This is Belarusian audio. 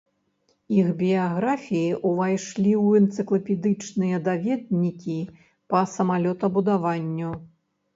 Іх біяграфіі ўвайшлі ў энцыклапедычныя даведнікі па самалётабудаванню.